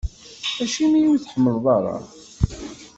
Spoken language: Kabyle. Acimi ur yi-tḥemmleḍ ara?